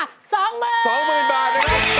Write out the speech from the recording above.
๒หมื่นบาท